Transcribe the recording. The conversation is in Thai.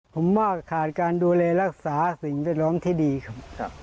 ผมว่าขาดการดูแลรักษาสิ่งแวดล้อมที่ดีครับ